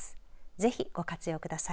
ぜひ、ご活用ください。